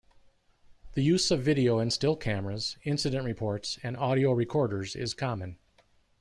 The use of video and still cameras, incident reports and audio recorders is common.